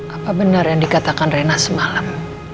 apa benar yang dikatakan rena semalam